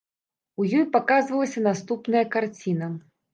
У ёй паказвалася наступная карціна.